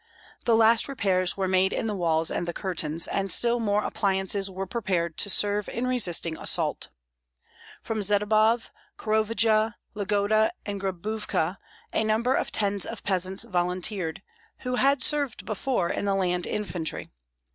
The last repairs were made in the walls and the curtains, and still more appliances were prepared to serve in resisting assault. From Zdebov, Krovodja, Lgota, and Grabuvka a number of tens of peasants volunteered, who had served before in the land infantry.